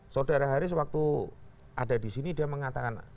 saudara haris waktu ada di sini dia mengatakan